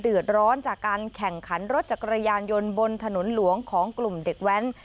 เดือดร้อนจากการแข่งขันรถจักรยานยนต์บนถนนหลวงของกลุ่มเด็กแว้น